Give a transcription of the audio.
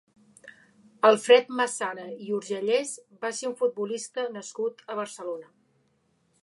Alfred Massana i Urgellés va ser un futbolista nascut a Barcelona.